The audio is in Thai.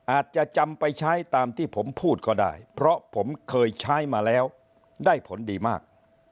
อาจจะจำไปใช้ตามที่ผมพูดก็ได้เพราะผมเคยใช้มาแล้วได้ผลดีมาก